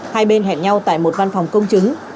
hai bên hẹn nhau tại một văn phòng công chứng